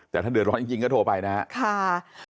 แต่ถ้าเดือดร้อนจริงก็โทรไปนะครับ